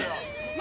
何？